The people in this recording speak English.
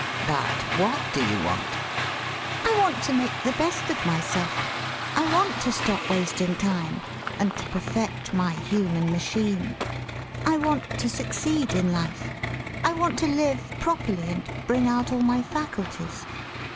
"But what do you want?" "I want to make the best of myself. I want to stop wasting time and to perfect my 'human ma chine.' I want to succeed in life. I want to live properly and bring out all my faculties.